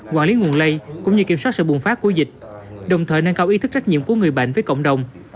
quản lý nguồn lây cũng như kiểm soát sự bùng phát của dịch đồng thời nâng cao ý thức trách nhiệm của người bệnh với cộng đồng